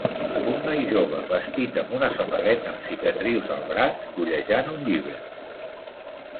Un noi jove vestit amb una samarreta amb cicatrius al braç, fullejant un llibre.